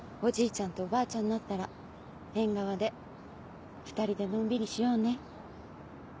ちゃんとおばあちゃんになったら縁側で２人でのんびりしようね。